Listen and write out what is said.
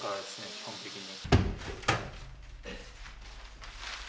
基本的に。